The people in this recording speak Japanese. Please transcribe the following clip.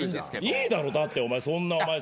いいだろだってお前そんなお前さ。